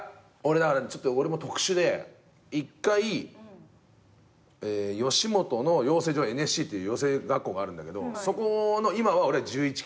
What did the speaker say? だからちょっと俺も特殊で一回吉本の養成所ＮＳＣっていう養成学校があるんだけどそこの１１期生。